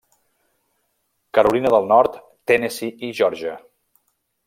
Carolina del Nord, Tennessee i Geòrgia.